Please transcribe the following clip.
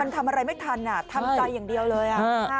มันทำอะไรไม่ทันอ่ะทำใจอย่างเดียวเลยอ่ะ